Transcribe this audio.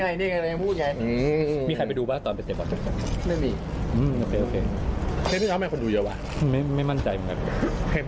อยากรู้อยากรู้เฮลาอยากไปไหนนะ